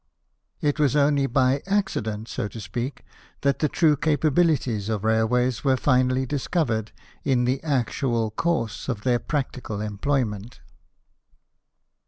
It was only by accident, so to speak, that the true capabilities of railways were finally discovered in the actual course of their practical employment.